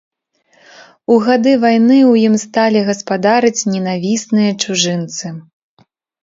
У гады вайны ў ім сталі гаспадарыць ненавісныя чужынцы.